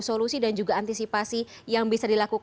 solusi dan juga antisipasi yang bisa dilakukan